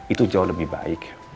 itu jauh lebih baik